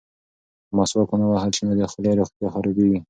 که مسواک ونه وهل شي نو د خولې روغتیا خرابیږي.